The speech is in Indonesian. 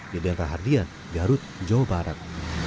di delta hardian garut jawa barat